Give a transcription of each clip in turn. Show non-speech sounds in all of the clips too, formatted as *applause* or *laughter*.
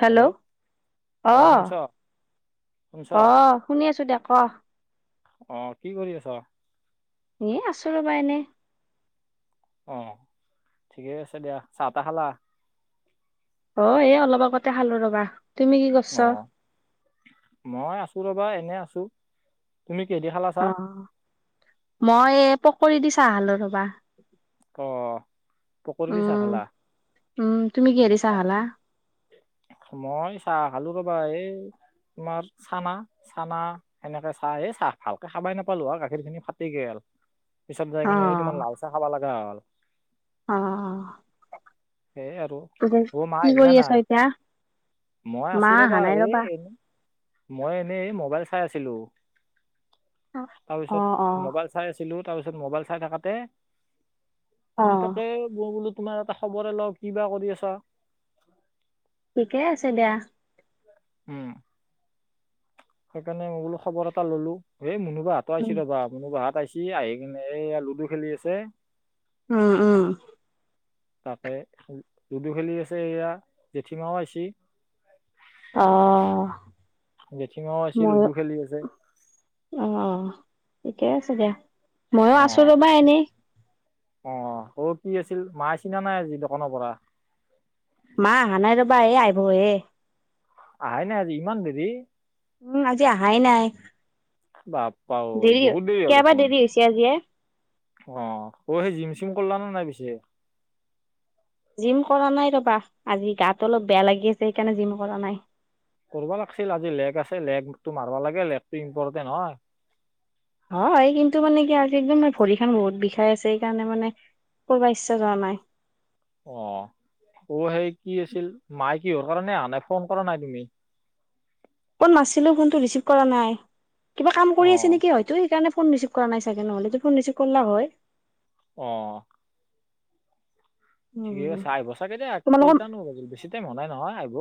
Hello. অ' শুনছ অহ শুনি আছো দে। ক অ কি কৰি আছ এ আছো ৰ'বা এনে। অ' ঠিকেই আছে দিয়া। চাহ-তাহ খালা? অ' এই অলপ আগতে খালো ৰবা। তুমি কি কৰিছ অ'। মই আছো ৰবা, এনে আছো। তুমি কেহেদি খালা অ চাহ? মই পকৰি দি চাহ খালো ৰবা। অ পকৰি দি চাহ উম। খালা উম। তুমি কিহেদি চাহ খালা? মই চাহ খালো ৰবা। এই তোমাৰ চানা, চানা সেনেকে চাহ। এই চাহ ভালকে খাবাই নাপালো। হ। গাখীৰখিনি ফাটি গেল। পিছত যাই অ কিনে এই তোমাৰ লাল চাহ খাবা লাগা হ'ল। সেইয়ে আৰু এতিয়া, অ মা কি আহিল নে কৰি আছ নাই এতিয়া? মই মা আছো অহা ৰবা। নাই এই এনে। মই এনে মবাইল চাই আছিলো তাৰপিছত, অ মবাইল চাই আছিলো। তাৰপিছত মোবাইল চাই থাকাতে, অ তাকে মই বোলো তোমাৰ এটা খবৰে লও, কিবা কৰি আছা। ঠিকে আছে দিয়া। উম। সেইকাৰণে মই বোলো খবৰ এটা ললো। হে মুনুবা হতোও উম আহছি ৰ'বা। মুনুবাহত আহছি আহি কেনে এয়া লুডু খেলি আছে। উম। উম। তাকে লুডু খেলি আছে এয়া। জেঠীমাও আহছি। অ জেঠিমাও আছে। লুডু খেলি আছে। অ'ঠিকে আছে দিয়া। ময়ো আছো ৰ'বা এনেই। অ'হ। অ' কি আছিল, মা আহিছিনা নাই আজি দোকানৰ পৰা? মা অহা নাই ৰ'বা। এ আইহ ব এ। আহাই নাই আজি। ইমান দেৰি? উম। আজি অহাই নাই। বাপ্পা ঐ দেৰি হ- বহুত হ'ল কিয়বা দেখোন দেৰি হৈছে আজিয়ে। অ' অ' হেই জিম -চিম কৰলানে নাই পিছে? জিম কৰা নাই ৰবা। আজি গাত অলপ বেয়া লাগি আছে। সেইকাৰণে জিম কৰা নাই। কৰবা লাগছিল। আজি লেগ আছে। লেগটো মাৰবা লাগে। লেগটো ইম্পৰ্টেন্ট হয়। হয় কিন্তু মানে কি একদম ম ভৰি খান বহুত বিষাই আছে। এইকাৰণে মানে কৰ'বা ইচ্ছা যৱা নাই। অহ। অ সেই কি আছিল মাই কিহৰ কাৰনে অহা নাই, ফোন কৰা নাই তুমি? ফোন মাৰিছিলোঁ ফোনটো ৰিচিভ কৰা নাই কিবা কাম অ কৰি আছে নেকি হয়তো সেইকাৰণে। ফোন ৰিচিভ কৰা নাই চাগে নহ'লে যদি ফোন ৰিচিভ কৰলা হৈ। অ। ঠিকেই উম, কৈছা আহিব চাগে দে তোমালোকৰ কেইটানো বাজিল বেছি টাইম হোৱা নাই নহয় আহিব।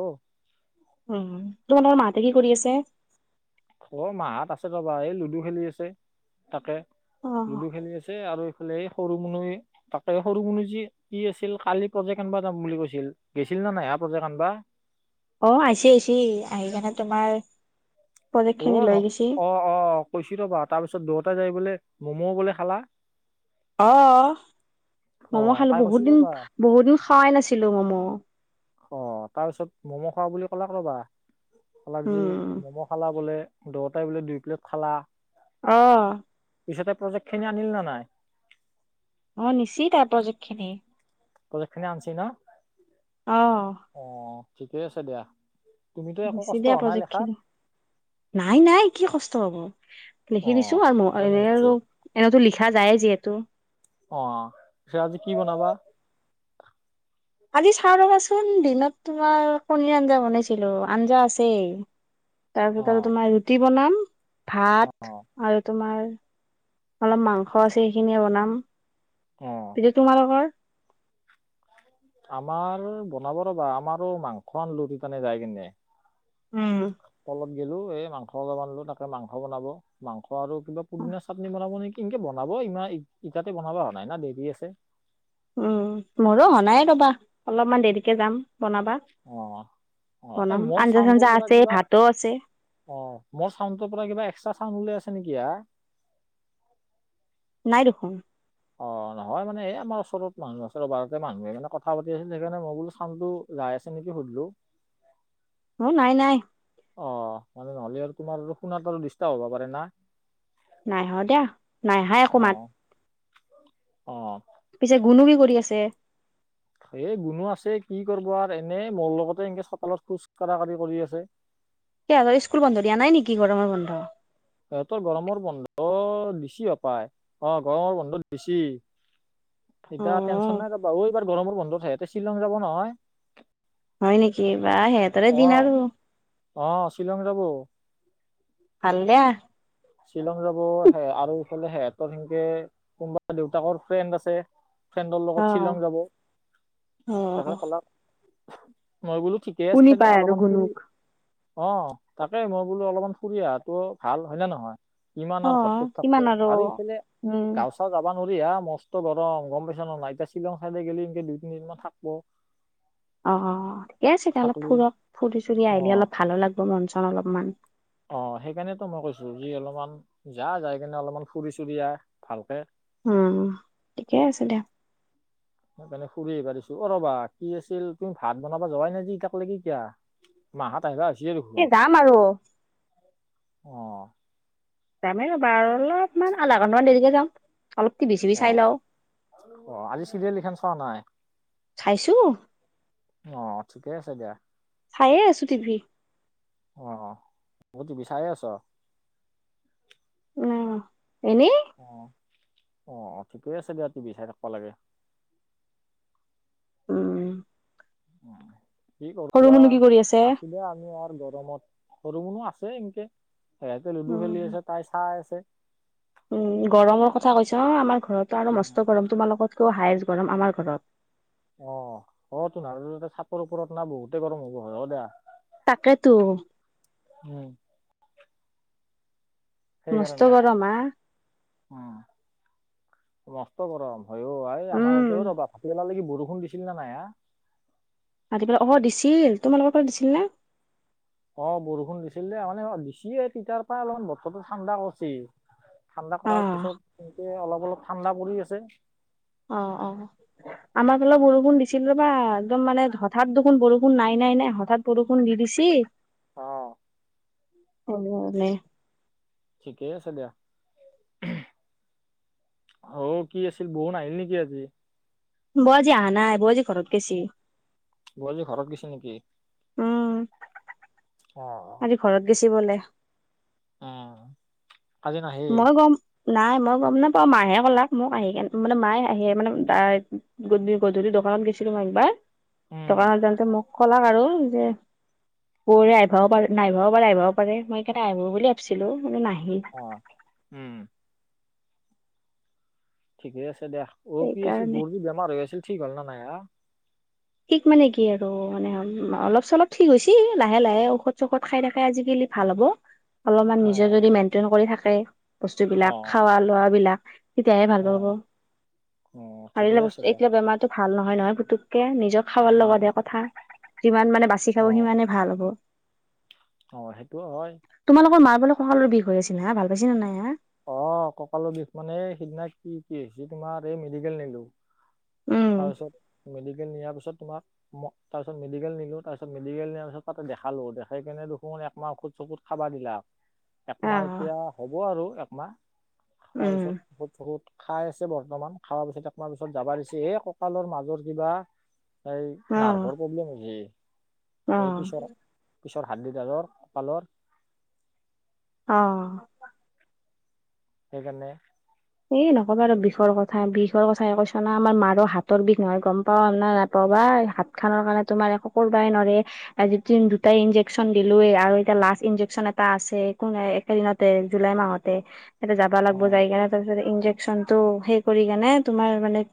উ তহঁতৰ মাহতে কি কৰি আছে। অ মাহত আছে ৰ'বা এই লুডু খেলি আছে তাকে। অ', লুডু খেলি আছে আৰু। এই সৰু মুনু তাকে সৰু মুনুজি কি আছিল কালি প্ৰজেক্ট আনবা যাম বুলি কৈছিল গৈছিল। *unintelligible* না প্ৰজেক্ট আনিবা। অ আহিছে আহিছে আহি কেনে তোমাৰ। প্ৰজেক্ট অ খিনি ন লৈ গৈছি অ অ কৈছে ৰ'বা তাৰপিছত দুয়োটা যাই বোলে। ম'ম' বোলে খালা। অ অ ম'ম' তাই খালোঁ কৈছি বহুত দিন ৰ'বা বহুত দিন খোৱাই নাছিলোঁ ম'ম'। অ তাৰপিছত ম'ম' খাৱ বুলি ক'লাক ৰ'বা কলাক যি উম। ম'ম' খালা বোলে। দুয়োটাই বোলে দুই প্লেট খালা। অহ। পিছতে প্ৰজেক্ট খিনি আনিল না নাই। অ নিশি তাৰ প্ৰজেক্ট খিনি। প্ৰজেক্ট আনছি না। অহ। ঠিকেই আছে দিয়া। তুমিতো একো নিছি কষ্ট দিয়া হোৱা নাই প্ৰজেক্ট লেখাত খিনি নাই নাই কি কষ্ট পাব। অ লিখি দিছোঁ আৰু সেইকাৰণে এনে সুধছো আৰু এনেতো লিখা যায় যিহেতু। অ সেয়া আজি কি বনাবা। আজি চাওঁ ৰ'বাচোন দিনত তোমাৰ কণী আঞ্জা বনাইছিলো আঞ্জা আছেই। অ তাৰপিছতে তোমাৰ ৰুটি বনাম। ভাত আৰু তোমাৰ অলপ মাংস আছে সেইখিনিয়ে বনাম। অ এতিয়া তোমালোকৰ। আমাৰ বনাব ৰ'বা আমাৰো মাংস আনলু *unintelligible* যায় কিনে। উম। গ'লো এ এই মাংস অলপ আনলো তাকে মাংস বনাব মাংস আৰু কিবা পুদিনা চাটনি বনাব নেকি। এনকে বনাব ইমান ইটাতে বনাবা হোৱা নাই না দেৰি আছে। উম মোৰো হোৱা নাই ৰ'বা অলপমান দেৰিকে যাম বনাবা। অ অ এ বনাম মোৰ আঞ্জা চাউণ্ডটোৰ চঞ্জা পৰা আছে কিবা ভাতো আছে। অ মোৰ চাউণ্ডৰ পৰা কিবা এক্সট্ৰা চাউণ্ড উলাই আছে নেকি আ। *inaudible* নাই দেখোন। অ নহ। হয় মানে আমাৰ ওচৰত মানুহ আছে ৰ'বা তাতে মানুহকেইটাই কথা পাতি আছিল সেইকাৰণে মই বোলো চাউণ্ডটো যাই আছে নেকি সুধো। হেল্ল'। অ নাই নাই। অ মানে নহ'লে আৰু তোমাৰ শুনাত আৰু দিষ্টাৰ্ব হব পাৰে নাহ। নাই হোৱা দিয়া নাই অহা একো অ মাত। অ। পিছে গুনু কি কৰি আছে। এ গুনো আছে কি কৰিব আৰ এনেই মোৰ লগতে এনকে চতালত খোজ কাঢ়া কাঢ়ি কৰি আছে। সিহঁতৰ স্কুল বন্ধ দিয়া নাই নেকি গৰমৰ বন্ধ। সিহঁতৰ গৰমৰ বন্ধ দিছি হপায় অ গৰমৰ বন্ধ দিছি। অ টেনচন নাই এইবাৰ গৰমৰ বন্ধত সিহঁতে শ্বিলং যাব নহয়। হয় নেকি বা সিহঁতৰে অ দিন আৰু। অ শ্বিলং যাব *inaudible* ভাল দিয়া। শ্বিলং যাব সে আৰু ইফালে সিহঁতৰ সেনকে কোনোবা দেউতাকৰ ফ্ৰেণ্ড আছে ফ্ৰেণ্ডৰ অ লগত শ্বিলং যাব অ ত কলা মই বোলো ঠিকেই কোনি আছে দে পায় আৰু অলপমান ফুৰি গুণুক অ তাকে মই বোলো অলপমান ফুৰি অহা টো ভাল হয়নে নহয় কিমান অ আৰু সত্ৰত থাক কিমান আৰু ইফালে উম গাওচা যাবা নোৱাৰি হা মস্ত ধৰ গম পেছা নাই এতিয়া শ্বিলং চাইড গেলি এনকে দুই তিনিদিনমান থাকিব অ ক আ চতিয়া অলপ ফুৰক ফুৰি চুৰি অ আহিলে অলপ ভালো লাগব মন চন অলপমান অ সেইকাৰণেতো মই কৈছো যি অলপমান যা যাই কিনে অলপমান ফুৰি চুৰি আহ ভালকে উম ঠিকেই আছে দিয়া সেইকাৰণে ফুৰিহে পাৰিছো অ ৰ'বা কি আছিল তুমি ভাত বনাবা যোৱাই নে যে ই তাক ল কি কিয়া মাত আহাই এ যাম আৰু অঁ যামেই ৰ'বা অলপমান আধা ঘণ্টামান দেৰিকে যাওঁ আহ আহ আজি চিলিয়েলিখন চোৱা নাই চাইছো আহ ঠিকেই আছে দিয়া চায়ে আছো টিভি অ বতো বিচাৰে আছ অ এনে অ অ অ ঠিকেই আছে দিয়া তু বি চাই থাকিবা লাগে *inaudible* উম কি সৰু কৰা মুনু কি কৰি আছে? আছিলে আমি আৰু গৰমত সৰু মনো আছে এনকে সিহঁতে লুডু উম। খেলি আছে তাই চাই আছে উম গৰমৰ কথা কৈছ অ আমাৰ ঘৰতো আৰু মস্ত গৰম তোমাৰ লগত টো হাইজ গৰম আমাৰ ঘৰত অ অ তোমাৰ চাপৰ ওপৰত না বহুতে গৰম হ'ব হয় অ দিয়া তাকেতো উম সেইকাৰণে মস্তকৰমা মসষ্ট গৰম ভ আমাৰ উম ৰ'বা ফাটিলালে বু দুষুণ দিছিল না নাই আতি পেলাই অ দিছিল তোমালোকৰ কত দিছিল নে অ বৰষুণ দিছিল দে মানে দিছিয়ে তিতাৰ পৰা অলপমান বতৰটো ঠাণ্ডা কৰিছে ঠাণ্ডা অ। কৰাৰ পিছত এনেকে অলপ অলপ ঠাণ্ডা পৰি আছে অলপ বৰষুণ দিছিল ৰবা একদম মানে হঠাৎ দেখোন বৰষুণ নাই নাই নাই হঠাৎ বৰষুণ দি দিছে অ সণে ঠিকেই আছে দিয়া হ কি আছিল বহন আহিল নেকি আজি বজি আহা নাই বজি ঘৰতৰত গছি বজ ঘৰত গছে নেকি উম অ' আৰি ঘৰত গেছ বলে উম কজি ন আহ মই গম নাই মই গম নাপাওঁ, মায়েহে কলাক মোক আহি কেনে মানে মায়ে আহে মানে ত গধূলি গধূলি ডক্। দোকানত গৈছিলো মই একবাৰ, উম দোকানত যাওঁতে মোক কলাক আৰু যে। বৌয়েৰে আহিভাও পাৰে নাইভাও পাৰে, আইভাও পাৰে, মই সেইকাৰণে আহিব বুলি ভাবিছিলোঁ কিন্ত নাহিল। অ' উম। ঠিকে আছে দিয়া, অ কি আছিল সেইকাৰণে বৌৰ যে বেমাৰ হৈ আছিল ঠিক হল না নাই হা? ঠিক মানে কি আৰু মানে অলপ-চলপ ঠিক হৈছে লাহে লাহে ঔষধ-চৌষধ খাই থাকে আজিকালি। ভাল হ'ব অলপমান নিজে অ' যদি মেইনটেইন কৰি থাকে, বস্তুবিলাক অ' খাৱা লোৱাবিলাক। তেতিয়াহে ভাল পাব, অ' অ' ঠিকে পাৰিলা আছে বস্তু দে এটিয়া বেমাৰটো ভাল নহয় নহয় পুতুককে নি। নিজৰ খাৱাৰ উম লগত কথা, যিমান মানে বাচি খাব অ' সিমানে ভাল হ'ব। অ', সেইটো হয়। তোমালোকৰ মাৰ বোলে কঁকালৰ বিষ হৈ আইছিল হা ভাল পাইছি না নাই হা। অ', ককালৰ বিষ মানে সিদিনা কি কি হৈছে তোমাৰ এই মেডিকেল নিলো। উম, তাৰপিছত মেডিকেল নিয়াৰ পিছত তোমাক। ম‌ই তাৰিছত মেডিকেল নিলো তাৰ পিছ মেডিকেল নিয়াৰ পিছত তাতে দেখালো দেখাই কিনে দুখুন একমাহ অখুদ-চখুত খাই। খাবা দিলাক। একমাহ অ', এতিয়া হ'ব আৰু একমাহ, তাৰপিছত উম, অখুদ-চখুদ। খাই আছে বৰ্তমান, খাৱাৰ পিছত একমাহ পিছত যাবা দিছি, এই কঁকালৰ মাজৰ কিবা। এই অ', নাৰ্ভৰ প্ৰব্লেম হৈছি। অ'। পিছৰ হাদ্দিডালৰ কঁকালত। অ'। সেইকাৰণে। এই নকবা আৰু বিষৰ কথা, বিষৰ কথাই কৈছো না, আমাৰ মাৰো হাতৰ বিষ নহয় গম পাওঁ না নাপ' বা। হাতখানৰ কাৰণে তুমাৰ একো কৰবায় নৰে, আজি তিন দুটাই ইনজেক্‌চন দিলোয়ে আৰু এতিয়া লাষ্ট ইন। ইনজেক্‌চন এটা আছে *unintelligible* একে দিনতে জুলাই মাহতে। এতে যাবা অ লাগ্‌বো যায় কেনে তাৰপিছত ইন্‌জেকচনটো সেই কৰি কেনে তোমাৰ মানে।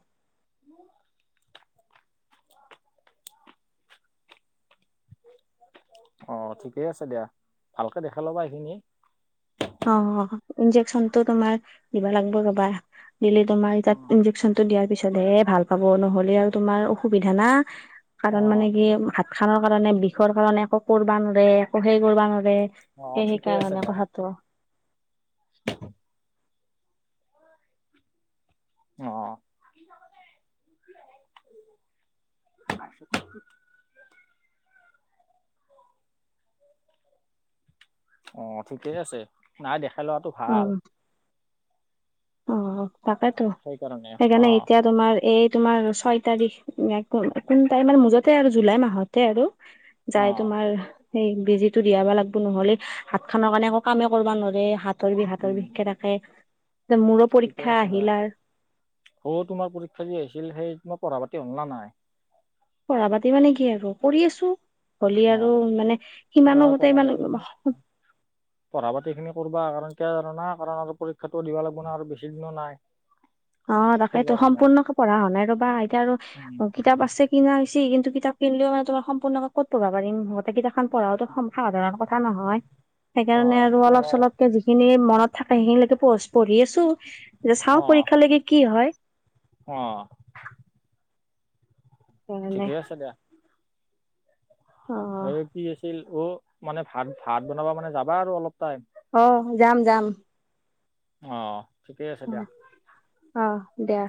অ', ঠিকেই আছে দিয়া ভালকে দেখাই ল'বা এইখিনি। অ', ইন্‌জেকচনটো তোমাৰ দিবা লাগ্‌বো ৰবা। দিলে তোমাৰ অ ইতা ইন্‌জেকচনটো টো দিয়াৰ পিছত হে ভাল পাব নহলে আৰু তোমাৰ অসুবিধা না। অ কাৰণ মানে কি হাত খানৰ কাৰণে বিষৰ কাৰণে একো কৰ্‌বা ন'ৰে একো সেই কৰ্‌বা ন'ৰে। সেই অ ঠিকেই আছে সেইকাৰণে দিয়া কথাটো। অ'। *inaudible* অ', ঠিকেই আছে, নাই দেখাই লোৱাটো ভাল। উম, অ', তাকেতো সেইকাৰণে এতিয়া তোমাৰ এই। তোমাৰ ছয় তাৰিখ নে কোন তাৰিমান মুঠতে আৰু জুলাই মাহতে আৰু। অ যাই তোমাৰ। সেই বেজিটো দিয়াবা লাগ্‌বো নহলে হাত খানৰ কাৰণে একো কামেই কৰ্‌বা নৰে হাত। হাতৰ বিষ হাতৰ উম বিষকে থাকে। মোৰো ঠিকে পৰীক্ষা আছে দা, আহিল আৰ হো তোমাৰ পৰীক্ষা যি আহছিল সেই। পঢ়া পাতি হল না নাই? পঢ়া-পাতি মানে কি আৰু কৰি আছোঁ। হলি অ আৰু মানে সিমানো নহয় গোতে পঢ়া ইমান। পাতি খিনি পঢ়া পাতি খিনি কৰবা কাৰণ কিয় জানোনা কাৰণ আৰু পৰীক্ষাটো দিবা লাগ্‌ব না আৰু বেছি দিনো নাই। অ', তাকেইটো সেইকাৰণে সম্পূৰ্ণকে পঢ়া হোৱা নাই ৰ'বা, এতিয়া আৰু উম কিতাপ আছে কি নাই। চি কিন্তু কিতাপ কিন্‌লেও মানে তোমাৰ সম্পূৰ্ণকে ক'ত পঢ়্‌বা পাৰিম গোতে কিতাপখান পঢ়াটো সম সাধাৰণ কথা নহয়। অ সেইকাৰণে আৰু সেইটো হয় অলপ-চলপকে যিখিনি মনত থাকে সেইখিনিলৈকে পঢ়চ পঢ়ি আছো যে চাওঁ অ পায় কি হয়। অ'। সেইকাৰণে ঠিকেই আছে দিয়া। অ আৰু কি আছিল অ মানে ভাত ভাত বনাবা মানে যাবা আৰু অলপ টাইম আহ যাম যাম আহ ঠিকেই আছে অ দিয়া অ দিয়া